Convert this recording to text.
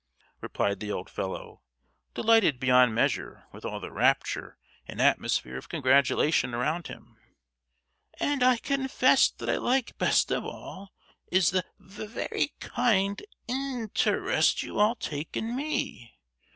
replied the old fellow, delighted beyond measure with all the rapture and atmosphere of congratulation around him; "and I confess what I like best of all, is the ve—ery kind in—terest you all take in me!